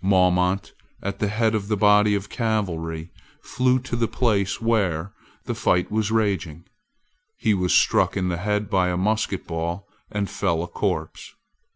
Maumont, at the head of a body of cavalry, flew to the place where the fight was raging. He was struck in the head by a musket ball, and fell a corpse.